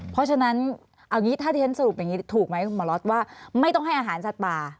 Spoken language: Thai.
เพราะฉะนั้นถ้าเท้นสรุปแบบนี้ถูกไหมหมอล็อตว่าไม่ต้องให้อาหารสัตว์ปลา